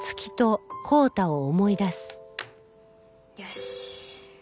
よし。